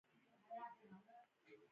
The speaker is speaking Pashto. ملالۍ میړنۍ وه